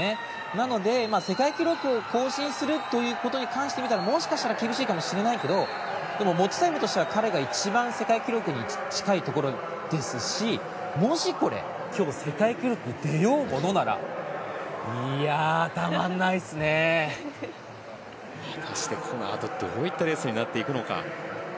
なので、世界記録を更新するということに関してみたらもしかしたら厳しいかもしれないけどでも持ちタイムとしては彼が一番世界記録に近いところですしもし今日世界記録が出ようものなら果たしてこのあとどういったレースになっていくのか。